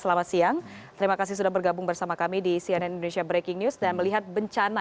selamat siang terima kasih sudah bergabung bersama kami di cnn indonesia breaking news dan melihat bencana